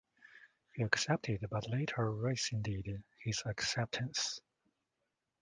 He accepted, but later rescinded his acceptance.